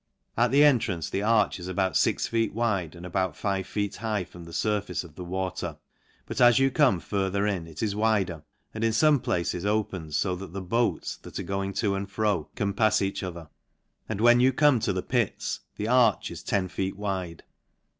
At the entrance, the arch is about fix feet wide,, and about five feet high from the furface of the wa ter ; but as you come further in it is wider, and i« fome places opened fo that the boats, that are going to and fro, can pafs each other ; and when you come among the pits the arch is ten feet wide. The 284 LANCASHIRE.